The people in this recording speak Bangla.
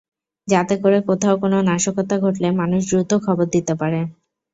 যাতে করে কোথাও কোনো নাশকতা ঘটলে মানুষ দ্রুত খবর দিতে পারে।